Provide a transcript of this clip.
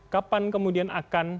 kapan kemudian akan